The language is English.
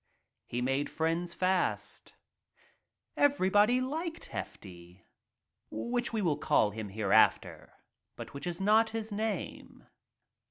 He made friends fast. Everybody liked Hefty — which we will call him hereafter but which is not his name.